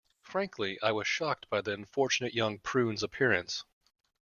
Frankly, I was shocked by the unfortunate young prune's appearance.